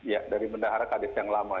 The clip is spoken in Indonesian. ya dari bendahara kadis yang lama